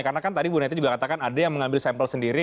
karena kan tadi bu nadia juga katakan ada yang mengambil sampel sendiri